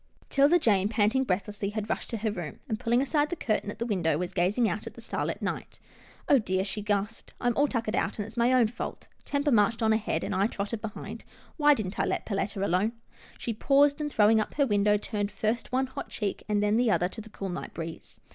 'Tilda Jane, panting breathlessly, had rushed to her room, and, pulling aside the curtain at the window, was gazing out at the starlit night. " Oh, dear !" she gasped, " I'm all tuckered out, and it's my own fault. Temper marched on ahead, and I trotted behind. Why didn't I let Perletta alone? " She paused, and, throwing up her window, turned first one hot cheek and then the other to the cool night breeze.